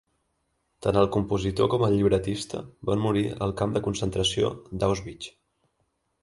Tant el compositor com el llibretista van morir al camp de concentració d'Auschwitz.